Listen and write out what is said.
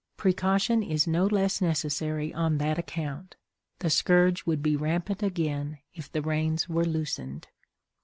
Precaution is no less necessary on that account; the scourge would be rampant again if the reins were loosened.